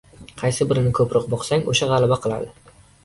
Qaysi birini ko‘proq boqsang o‘sha g‘alaba qiladi.